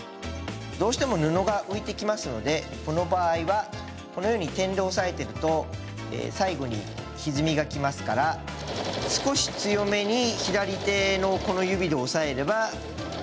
どうしても布が浮いてきますのでこの場合はこのように点で押さえてると最後にひずみが来ますから少し強めに左手のこの指で押さえれば結構きれいに縫えますね。